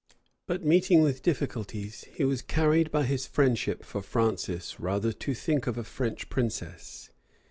But meeting with difficulties, he was carried by his friendship for Francis rather to think of a French princess.